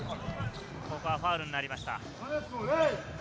ファウルになりました。